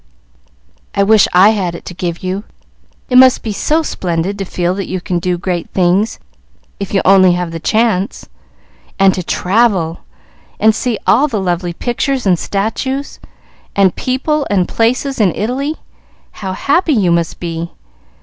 "I wish I had it to give you. It must be so splendid to feel that you can do great things if you only have the chance. And to travel, and see all the lovely pictures and statues, and people and places in Italy. How happy you must be!"